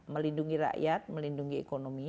melindungi rakyat melindungi ekonomi